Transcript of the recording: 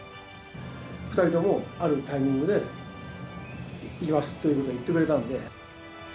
２人ともあるタイミングで、いきますということを言ってくれたんで。